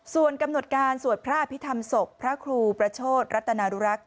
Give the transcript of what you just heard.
ส่วนกำหนดการสวดพระอภิษฐรรมศพพระครูประโชธรัตนารุรักษ์